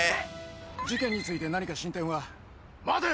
事件について何か進展は？